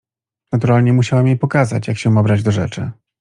Naturalnie musiałam jej pokazać, jak się ma brać do rzeczy.